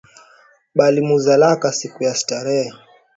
Balimuzalaka siku ya starehe